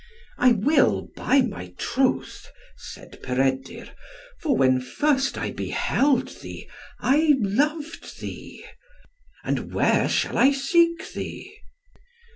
"I will, by my troth," said Peredur, "for when first I beheld thee, I loved thee; and where shall I seek thee?"